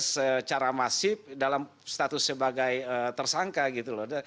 secara masif dalam status sebagai tersangka gitu loh